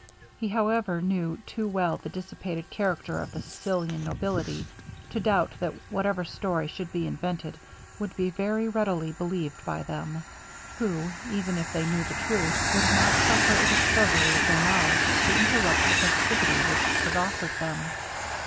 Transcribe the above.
He, however, knew too well the dissipated character of the Sicilian nobility, to doubt that whatever story should be invented would be very readily believed by them; who, even if they knew the truth, would not suffer a discovery of their knowledge to interrupt the festivity which was offered them.